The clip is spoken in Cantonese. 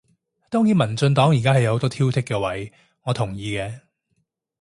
當然民進黨而家係有好多挑剔嘅位，我同意嘅